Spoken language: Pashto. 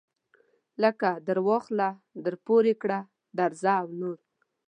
لکه درواخله درپورې کړه درځه او نور.